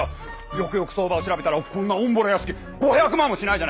よくよく相場を調べたらこんなオンボロ屋敷５００万もしないじゃないか。